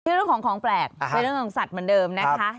ที่โดยของแปลกในเรื่องของสัตว์เหมือนเดิมนะคะ